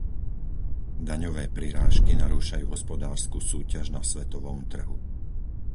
Daňové prirážky narúšajú hospodársku súťaž na svetovom trhu.